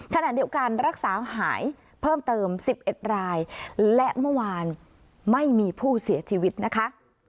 ขณะเดียวกันรักษาหายเพิ่มเติม๑๑รายและเมื่อวานไม่มีผู้เสียชีวิตนะคะ